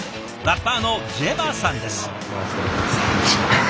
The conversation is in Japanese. ラッパーのＪＥＶＡさんです。